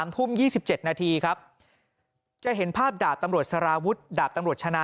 ทุ่ม๒๗นาทีครับจะเห็นภาพดาบตำรวจสารวุฒิดาบตำรวจชนะ